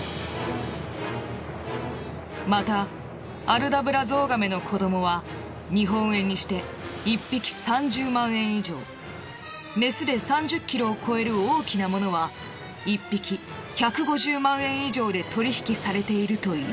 またアルダブラゾウガメの子どもは日本円にして１匹３０万円以上メスで３０ｋｇを超える大きなものは１匹１５０万円以上で取り引きされているという。